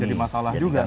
jadi masalah juga kan